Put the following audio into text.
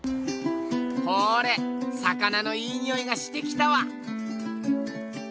ほれ魚のイイにおいがしてきたわ！